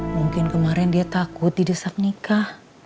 mungkin kemarin dia takut didesak nikah